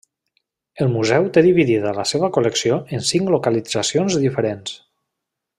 El museu té dividida la seva col·lecció en cinc localitzacions diferents.